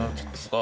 あ。